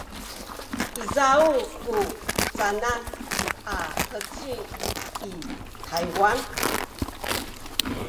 izaw ku canan a heci i Taywan?